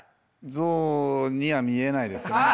ゾウには見えないですね。